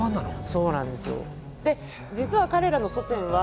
そうなんですよ。